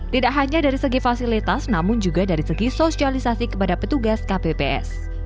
tidak hanya dari segi fasilitas namun juga dari segi sosialisasi kepada petugas kpps